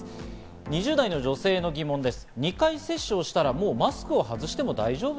２０代女性の疑問です。